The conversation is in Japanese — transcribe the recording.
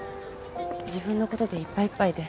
自分のことでいっぱいいっぱいで。